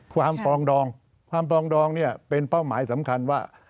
ความปรองดองเป็นเป้าหมายสำคัญว่า